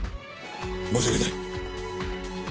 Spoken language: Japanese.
申し訳ない。